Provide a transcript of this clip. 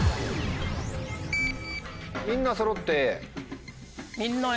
みんなそろってＡ。